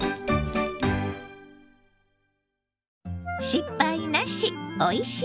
「失敗なし！